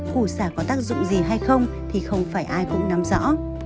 củ sả có tác dụng gì hay không thì không phải ai cũng nắm rõ